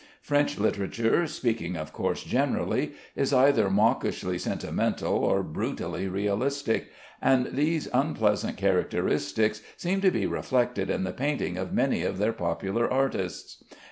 French literature (speaking of course generally) is either mawkishly sentimental or brutally realistic, and these unpleasant characteristics seem to be reflected in the painting of many of their popular artists.